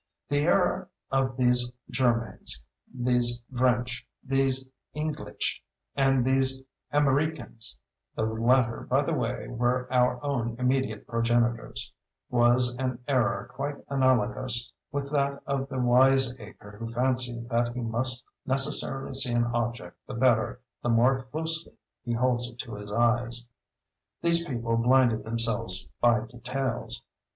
The error of these Jurmains, these Vrinch, these Inglitch, and these Amriccans (the latter, by the way, were our own immediate progenitors), was an error quite analogous with that of the wiseacre who fancies that he must necessarily see an object the better the more closely he holds it to his eyes. These people blinded themselves by details.